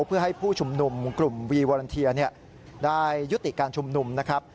เพื่อให้ผู้ชุมนุมกลุ่มวีวอลันเทียได้ยุติการชุมนุมนะครับ